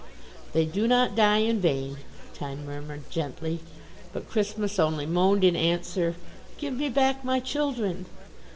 "They do not die in vain," Time murmured gently. But Christmas only moaned in answer: "Give me back my children!"